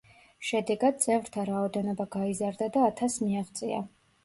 შედეგად, წევრთა რაოდენობა გაიზარდა და ათასს მიაღწია.